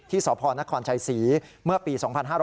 ที่สภนครชายศรีเมื่อปี๒๕๖๑